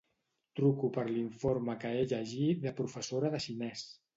Truco per l'informe que he llegit de professora de xinès.